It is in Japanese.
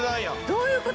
どういう事？